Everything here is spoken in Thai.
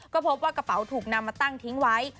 ก็พบว่ากระเป๋าถูกนำมาตั้งทิ้งไว้